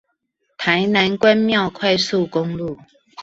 台南關廟快速公路